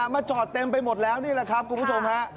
มาจอดเต็มไปหมดแล้วนี่แหละครับคุณผู้ชมฮะ